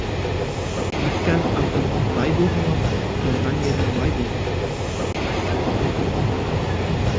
Еккән атың тай булһа ла, торған ерең бай булһын.